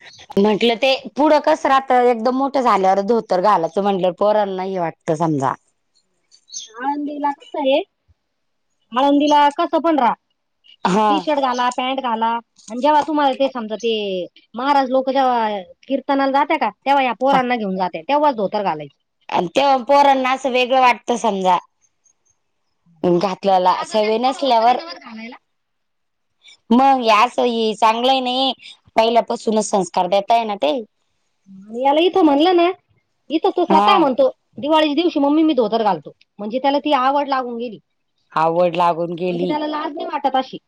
[inaudible] म्हंटल ते पुढं कसं राहत एकदम मोठं झाल्यावर धोतर घालायचं म्हटलं पोरांना हे वाटत समजा. आळंदीला कस आहे आळंदीला कसं पण रहा. हा टी शर्ट घाला पॅन्ट घाला. आणि जेव्हा तुम्हाला ते समजा ते महाराज लोक जेव्हा कीर्तनाला जातात का. तेव्हा या पोरांना घेऊ जाते तेव्हाच धोतर घालायच. आणि तेव्हा पोरांना असं वेगळं वाटतं समजा. घातलेला सवय नसल्यावर. खायला मग अस चांगलंय नाही पहिल्यापासूनच संस्कार देताय ना ते. याला इथं म्हणल ना, इथं तो हा स्वतः म्हणतो. दिवाळीच्या दिवशी मम्मी मी धोतर घालतो, म्हणजे त्याला ती आवड लागून गेली. आवड लागून म्हणजे गेली त्याला लाज नाही वाटत अशी.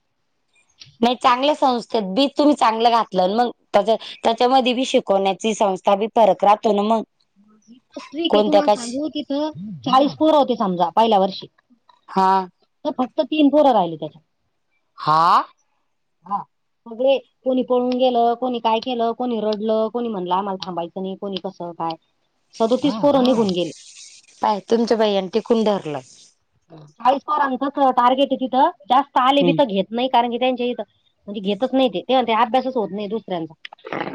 नाही चांगले संस्थेत, बीज तुम्ही चांगलं घातलं मग तज त्याच्यामध्ये बी शिकवण्याची संस्था बी फरक राहतो ना मग. वि, के कोणत्या तुम्हाला का सांगू तिथं चाळीस पुरं होते समजा पहिल्या वर्षी. हा तर फक्त तीन पोर राहिले त्याच्यात. हा हा, सगळे. कोणी पळून गेलं, कोणी काय केलं, कोणी रडलं कोणी म्हणलं आम्हाला थांबायचं नाही कोणी कसं काय. सदो तीस पोर निघून गेले. काय तुमच बाई यानी टिकून धरलं. चाळीस पोराचं टार्गेट आहे तिथं, जास्त आले हम्म बिथ घेत नाही, कारण की त्यांच्या इथं, म्हणजे घेतच नाही ते तेव्हा ते अभ्यासच होत नाही दुसऱ्यांचा.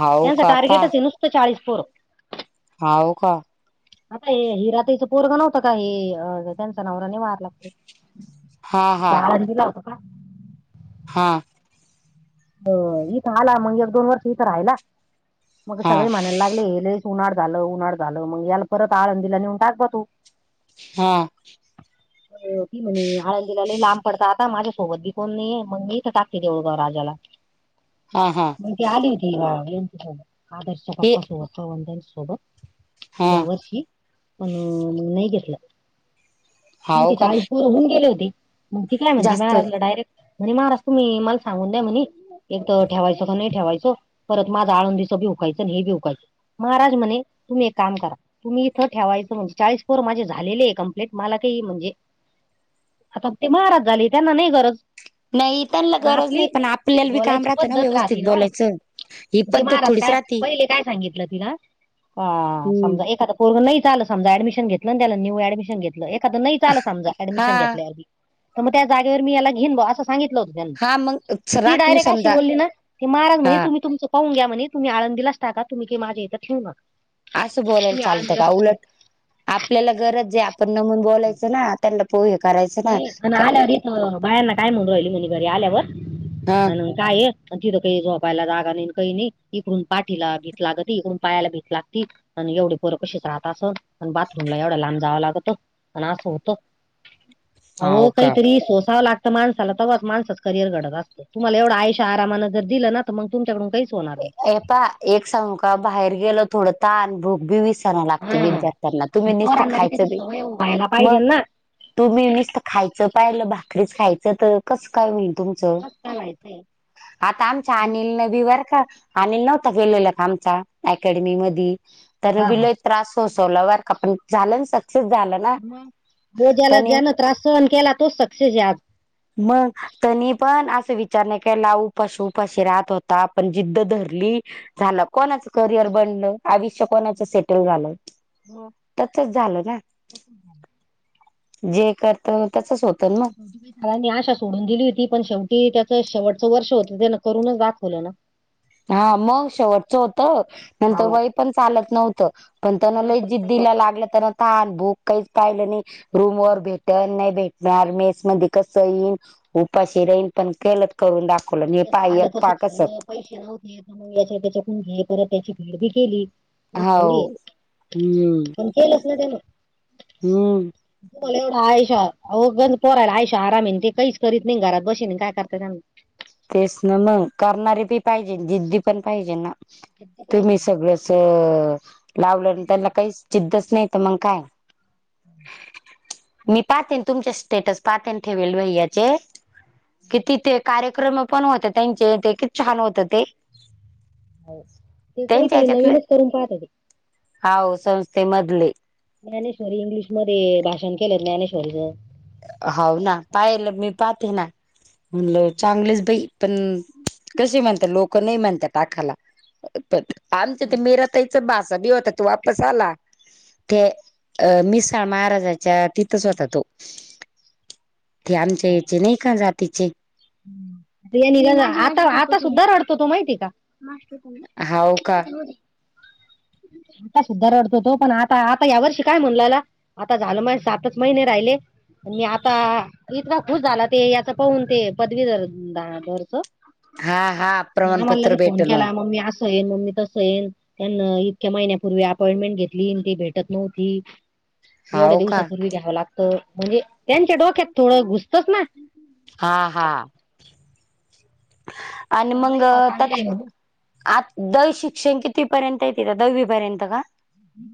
हाव त्याच का टारगेट पा हे नुसतं चाळीस पोर. हाव का? आता हे, हिराताईच पोरग नव्हतं का, हे त्यांचा नवरा नाही वारला खरं. हा हा चहा अन दिला होत का? हा हो इथं आला मग एक -दोन वर्ष इथं राहिला, मग हा सगळे म्हणायला लागले लईच उन्हाट झालं, उन्हाट झालं मग याला परत आळंदिला नेऊन टाक जा तू. हा. ती म्हणे आळंदीला लई लांब पडता आता, माझ्यासोबत बी कोण नाहीय मग मी तर टाकते देऊळगाव राजाला. हा, हा. म, आली होती, याच्या सोबत आदर्शच्या हे 'पपा सोबत वंच्यान हा सोबत या वर्षी, पण नाही घेतलं. हाव त्यांची का चाळी पोर होऊन गेले होते, मग तिकलाय म्हणते जास्त महाजला डायरेक्ट. म्हणे, महाराज तुम्ही मला सांगून द्या म्हणे. एक तर ठेवायचं का नाही ठेवायचो, परत माझ आळंदीच बी उकायचं आणि हे बी उकायचं. महाराज म्हणे, तुम्ही एक काम करा. तुम्ही इथं ठेवायचं म्हणजे चाळीस पोर माझे झालेले कम्प्लीट, मला काही म्हणजे आता ते महाराज झाले, त्यांना नाही गरज. नाही त्यांना आणि गरज नाही आपली पण, आप बोलायची पद्धत राहती नव्ह, ही ते पद्धत महाराज थोडीच काय राहती पहिले काय सांगितलं तिला हा, हम्म समजा एखादा पोरग नाहीच आलं समजा ऍडमिशन घेतलं ना, त्याला न्यू ऍडमिशन घेतलं, एखादं नाहीच समजा हा ऍडमिशन घेतल्यावर बी तर मग त्या जागेवर मी याला घिन, असं सांगितल होतं त्यांना. हां, मंग हो ती डायरेक्ट अशी बोलली ना, ती महाराज म्हणे हा तुम्ही तुमच पाहून घ्या म्हणे, तुम्ही आळंदलाच टाका तुम्ही काय माझ्या इथं ठेऊू नका. असं बोलायला तुम्ही चालतं का? आळंदीलाच टाका उलट, आपल्याला गरज जे आपण नमून बोलायचं ना त्यांना होय करायचं ना अं, बाहेरना काय म्हणून राहिली, म्ह घरी आल्यावर हा काय, तिथं काही झोपायला जागा नाही कही नाही, इकडून पाठीला भीत लागती, इकडून पायाला भीत लागती. आणि एवढी पोरं कशीच राहत असल अनं बाथरूमला एवढ लांब जावा लागत आणि असं होत आओ हाव का कायतरी सोसावं लागतं माणसाला तवाच माणसांच करिअर घडत असत तुम्हाला एवढ आयषा आरामानं जर दिलं ना तर मंग तुमच्याकडून काहीच होणार नाई. हे पहा एक सांगु का बाहेर गेल थोड ताहाण भूक बी विस राला लागते नाही हम्म. विद्यार्थ्यांना तुम्ही निसत पोरांना त्याची खायचं बी सवय व्हायला पाहिजे म ना तुम्ही निसत खायचं पाहिलं भाकरीच खायचं त कसं काय होईल तुम कस काय व्हायचंय. आता आमच्या अनिल न बी बर का अनिल नव्हता गेलेला का आमचा अकॅडमीमध्ये त्यानं बी लय त्रास सोसवलाय बरं का पण झालं न सक्सेस झाला म भाऊ ज्याला ज्यान त्रास सहन केला तोच सक्सेस ये आज मग त्यानी पण असं विचार नाय केला उपाशी उपाशी राहत होता पण जिद्द धरली झालं कोणाचं करियर बनलं आयुष्य कोणाचं सेटल झालं. त्यांचच झाल ना. जे करतो त्याचच होत न सगळ्यांनी आशा सोडून दिली होती पण शेवटी त्याचं शेवटचं वर्ष होतं त्यानं करूनच दाखवलं न हा म शेवटचं होत नंतर हो वय पण चालत नव्हतं. पण त्यांन लई नंतर नाहीच जिद्दीला होता. लागलं त्याना तहान भूक काहीच पाहिलं नाय रूम मग वर भेटन नाय भेट दार मेस मध्ये कसं येईन उपाशी राईन पण केल करून दाखवलं मी त जसं हाय आलं एक तसं पहा कसं खाल्लं पैसे नव्हते मंग याच्या त्याच्याकून घे परत त्याची फेड बी केली अस हो थोडी हम्म ये केलच ना त्यानं हम्म तुम्हाला एवढा आयशो आहो घरी पोराला आयशोआराम ये ते कहीच करीत नई घरात बशीन काय करताय त्यानां तेच ना मग करणारे पी पाहिजे जिद्दी पण पाहिजे ना ते पाहिजे तुम्ही माणूस सगळंच अ लावलं न त्यांना काहीच जिद्दच नाय त मंग काय मी पाहतेेन तुमच्या स्टेटस पाहतेन ठेवेल भैयाचे किती ते कार्यक्रम पण होत त्यांचे ते कित छान होत ते हो ते काय त्यांच्या तरी ह्याच्यातले नवीनच करून पाहता ते. हाव संस्थेमधले ज्ञानेश्वरी इंग्लिश मध्ये भाषण केलं ज्ञानेश्वरीचं. होऊ ना पाहेल मी पाहतेे ना म्हणल चांगलेच बाई पण कसे म्हणत्या लोक नई म्हणता टाकाला प आमच्या त्या मीरा ताई त्याचा भासा बी होता तो वापस आला ते मिसां महाराजाच्या तीत तिथंच होता तो ते आमच्या याचे नाय का जातीचे ते नी [unintelligible] आता आता सुद्धा रडतो तो माहितीये का मास्टर हाव का कोणं [unintelligible] [inaudible] आता सुद्धा रडतो तो पण आता आता या वर्षी काय म्हणलेला आता झाल माये सातच महिने राहिले. आणि आता इतका खुश झाला ते याचा पाहून ते पदवीधर धा धरच हा हा आम्हाला लगे प्रमाणपत्र फोन भेटल केला. मम्मी असंयेन मम्मी तसंयेन. त्यांना इतक्या महिन्यापूर्वी अपॉइंटमेंट घेतलीन. ती भेटत नव्हती. एवढ्या हाव का दिवसापूर्वी घ्यावं लागतं. म्हणजे त्यांच्या डोक्यात थोडं घुसतंस ना. हा हा. आणि मग नाही बा, चांगलं त्याच आहे म्हणून. आ दल शिक्षण कितवी पर्यंत तीथ. हावीपर्यंत का?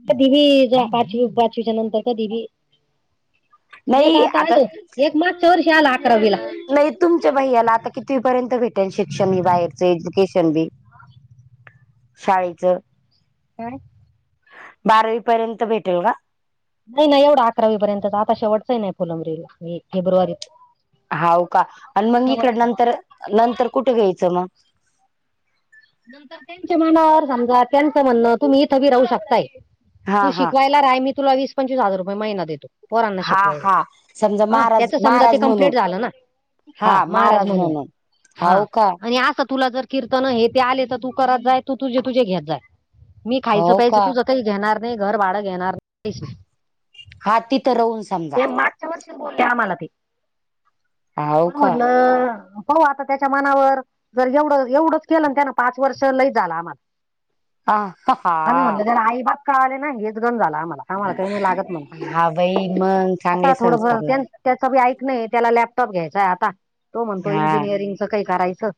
कधीबी पाचवी पाचवीच्या नंतर कधीबी. एक आता आल. एक मागच्या वर्षी आलं अकरावीला. नाही तुमच्या भैयाला आता कितीपर्यंत भेटेल शिक्षण. हे बाहेरच एज्युकेशन बी? शाळेच? काय? बारावी पर्यंत भेटेल का? नाही -नाही एवढ अकरावी पर्यंतच. आता शेवटचय ना. हे फलंमब्रीला फेब्रुवारीत. हाव का? आण मग इकड शेवटचं नंतर, नंतर कुठे घ्यायचं मग? नंतर त्यांच्या मनावर. समजा त्यांच म्हणय तुम्ही इथंबी राहू शकताय. हा तू हा शिकवाय ला रहाय. मी तुला वीस पंचवीस हजार रुपये महिना देतो. पोरांना हा शिकवायला. हा समजा ह. महाराज त्याच समजा ते महाराज कम्प्लीट म्हणून झालं ना. हा महाराज म्हणून. हा. हाव का आणि असं तुला जर कीर्तन हे ते आले तर, तू करत जाय. तू तुझ तुझे घेत जाय. मी खायचं हो प्यायचं का तुझ काही घेणार नाही. घर भाड घेणार [inaudible] नाही. हा तिथं राहून समजा? ते मागच्या वर्षीच बोले आम्हाला ते. हाव पण का म्हणलं पाहू आता त्याच्या मनावर. जर एवढं एवढंच केलंन त्यान पाच वर्ष. लई झाला आम्हाला. हा आणि हा म्हणलं त्याला आई बाप कळालेना. हेच गंज झाल आम्हांला. आम्हांला काही नाही लागत. म्हण हा बाई. मग आता चांगले थोडंफार संस्कार लाग त्याच बी ऐकनय. त्याला लॅपटॉप घ्यायचाय आता. तो म्हणतो हा इंजिनिअरिंगचं काही करायचं.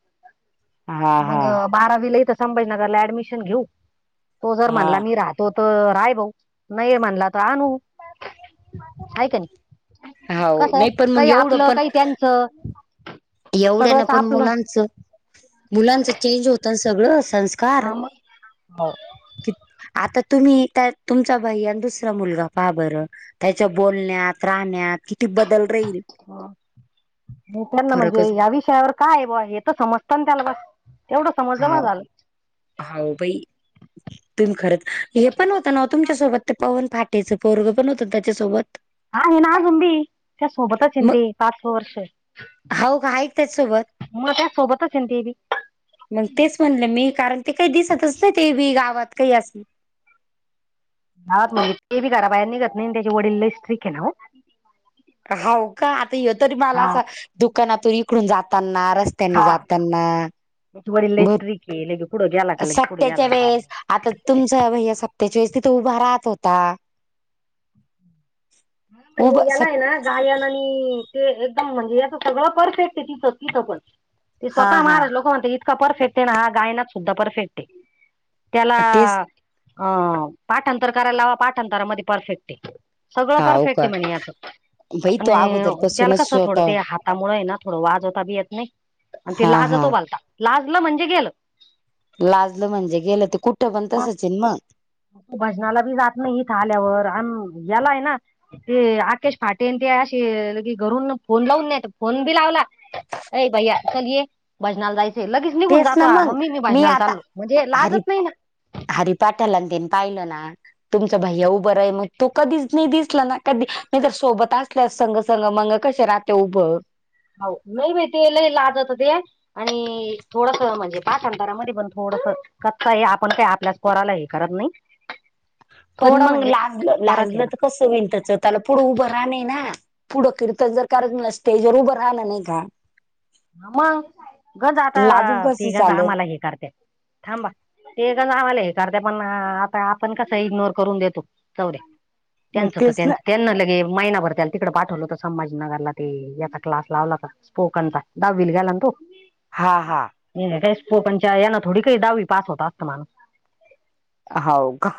हा मग हा बारावीला इथ संभाजनगरला ऍडमिशन घेऊ. तो जर म्हणला हा. मी राह तो तर राय भाऊ. नाही म्हणला तर आणू. [inaudible] हाय का नाही? [inaudible] हो कस नाही पण मग काही एवढं आपलं पण काही त्यांचं. एवढ्यान सगळंच पण आपलं मुलांचं. मुलांचं चेंज होत सगळं. संस् हा मग. हो. की आता तुम्ही काय तुमचा भैयान दुसरा मुलगा पाहा बरं. त्याच्या बोलण्यात. राहण्यात. किती बदल राहील. त्यांना फरकच म्हणजे या विषयावर काये बा हे त समजत ना त्याला बस. तेवढं समजलं बस झालं. हावं बाई. तुम्ही खरंच. हे पण होत ना तुमच्यासोबत. ते पवन फाटेचं पोरग पण होत ना त्याच्यासोबत? [unintelligible] आहे ना अजुन बी. त्याच्या सोबतचे ना ते. पाच सहा वर्ष. अवुग हाईतच. [unintelligible] म त्या सोबतचे ना तेबी. मग तेच म्हणलं मी, कारण ते काही दिसतच नाही. ते बी गावात काही असल वात म्हणजे ते बी घराबाहेर निघत नाही. त्याचे वडील लई स्ट्रिक्ट ना ओ. होव का? आता यो तरी माला हा असा दुकानातून इकडून जातांना. रस त्यांनी हा जातांना. ते लगे कुड गेला का. कुड गेलान काय? आता तुमचा भैया सपत्याच्या वेळेस तिथं उभा राहत होता. उभ आधी सप गेलाय ना गायन आणि ते एकदम म्हणजे याच सगळं परफेक्ट आहे तिचं तिथ पण. ते हा स्वतः हा महाराज लोक म्हणत इतका परफेक्ट आहे ना हा गायनात सुद्धा परफेक्ट आहे. त्याला तेच अं पाठांतर करायला लावा पाठांतरामध्ये परफेक्ट आहे. सगळं हाव परफेक्ट का आहे म्हणे याच बाई तो अगोदर आणि त्याला पासूनच कसं स्वत थोडं ते हा हातामुळ आहे ना थोड वाजता बी येत नाही आणि ते हा हा लाजतो भलता लाजल म्हणजे गेलं. लाजल म्हणजे गेल ते कुठ पण तसच आहे ना मग. भजनाला बी जात नाही इथं आल्यावर, आणि यालाय ना ते आकेश फाटे ते असे की घरून फोन लावून नाही फोन बी लावला. ये भैया चल‌ ये भजनाला जायचय. ते लगेच निघून तेच जातो ना हा मग मम्मी मी भजनाला आता चाललो म्हणजे लाजत नाही ना. हरी पाठाला तेन पाहिलं ना. तुमचा भैया उभा राही मग तो कधीच नाही दिसला ना कधी नाही तर सोबत आसतो चल संग संग मंग कस राहते उभं. हो. नाही बाई, ते लई लाजतं ते. आणि थोडसं म्हणजे पाठांतरमध्ये पण, थोडस कच्चा आहे, आपण काय आपल्याच पोराला हे करत नाही. पण थोडा मंग म्हणजे लाज, फरक आहे लाजलं तर. ना कसं होईन त्याचं. त्याला, पुढं उभं राहन आहे ना. पुढ कीर्तन जर कारच नसतील तर उभं राहानं नाही का? मग गज लाजून आता, ते कसं ह्याच चालेल आम्हाला हे करत्यात. थांबा, तेच्याच आम्हाला हे करते, पण आता आपण कसं इग्नोर करून देतो. जावू द्या. मग त्यांच तर तेच ना त्यांच त्यांना लगे महिनाभर त्या तिकडं पाठवलं होतं, संभाजीनगरला ते. याचा क्लास लावला होता स्पोकनचा, दहावीला गेला ना तो. हां हां. इंग्लिश स्पोकनच्या यानं, थोडी काही दहावी पास होत असत माणूस. हाव, का?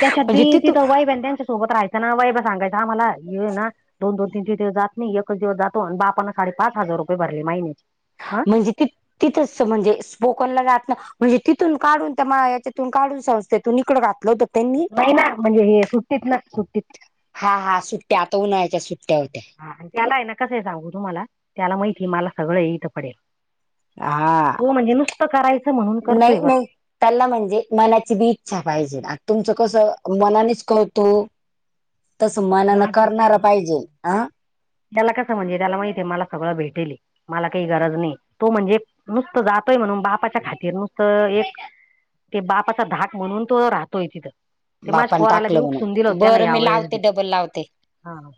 त्याच्यात म्हणजे बी तिथू तिथं वैभ्या त्यांच्या सोबत राहायचं ना, वैभ्या सांगायचा आम्हाला. हे ना दोन-दोन, तीन-तीन दिवस जात नाही. एकच दिवस जातो, अन बापनं साडेपाच हजार रुपये भरले महिन्याचे. हा म्हणजे किती तसं म्हणजे स्पोकनला जात ना म्हणजे तिथून काढून त्या माझ्या, तिथून काढून संस्थेतून इकडं घातलं होत. नाही, ना म्हणजे हे सुट्टीत ना सुट्टीत. हां हां. सुट्ट्या, आता उन्हाळच्या सुट्ट्या होत्या. हं त्याला आहे ना कस आहे सांगू तुम्हाला, त्याला माहितीय मला सगळं इथं पडेल. हा तो म्हणजे नुसत करायच म्हणून करतोय नाही बर. नाही त्याला म्हणजे मनाची बी इच्छा पाहिजे ना, तुमच कस मनानेच करतो. तस मनान लाजत नाही करणार बाबा. पाहिजे, हां. त्याला कस म्हणजे त्याला माहिते, मला सगळं भेटेल हे. मला काही गरज नाही, तो म्हणजे नुसत जातोय म्हणून बापाच्या खातिर नुसतं एक ते बापाचा धाक म्हणून, तो राहतोय तिथं. ते माझ्या पोराला बी, ऊकसुन दिल होत त्यान यावेळेस. ते डबल लावते. हां.